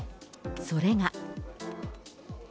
それが。